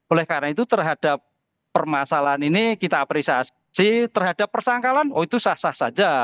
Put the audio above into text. oleh karena itu terhadap permasalahan ini kita apresiasi terhadap persangkalan oh itu sah sah saja